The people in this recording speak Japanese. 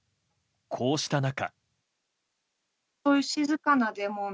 こうした中。